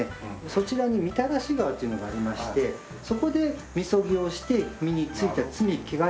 そちらに御手洗川というのがありましてそこでみそぎをして身についた罪汚れをはらうと。